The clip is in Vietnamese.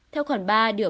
theo khoản ba ba mươi tám